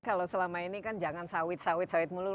kalau selama ini kan jangan sawit sawit sawit mulut